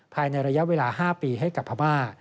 ภายในระยะเวลา๕ปีให้กับพม่า